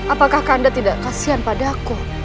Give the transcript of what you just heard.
apakah kanda tidak kasihan pada aku